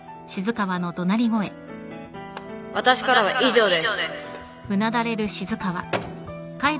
私からは以上です。